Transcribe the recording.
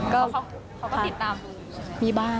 เขาก็ติดตามดูอยู่